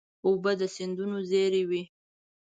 اوبه د سیندونو زېری وي.